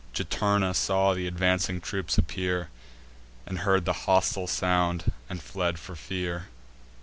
Juturna saw th' advancing troops appear, And heard the hostile sound, and fled for fear.